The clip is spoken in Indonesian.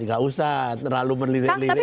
nggak usah terlalu berlirik lirik